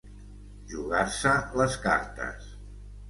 Jugar-se les cartes.